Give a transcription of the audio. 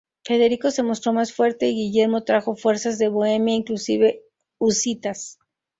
Federico se mostró más fuerte y Guillermo trajo fuerzas de Bohemia, inclusive husitas.